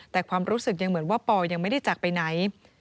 แต่ความรู้สึกยังเหมือนว่าปอยังไม่ได้จากไปไหน